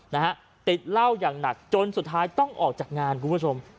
นะฮะติดเหล้าอย่างหนักจนสุดท้ายต้องออกจากงานคุณผู้ชม